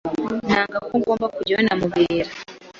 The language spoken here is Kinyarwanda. Nanga ko ngomba kujyayo na Mubera.